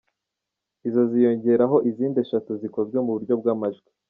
Izo ziyongeraho izindi eshatu zikozwe mu buryo bw’amajwi.